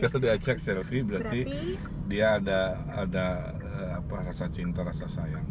kalau dia cek selfie berarti dia ada rasa cinta rasa sayang